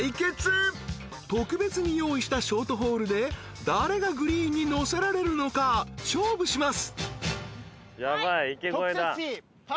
［特別に用意したショートホールで誰がグリーンに乗せられるのか勝負します］